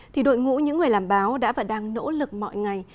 thì đội ngũ những người làm báo đã và đang nỗ lực mọi ngày